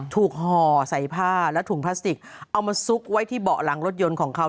ห่อใส่ผ้าและถุงพลาสติกเอามาซุกไว้ที่เบาะหลังรถยนต์ของเขา